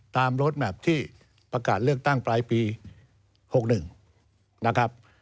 รถแมพที่ประกาศเลือกตั้งปลายปี๖๑นะครับ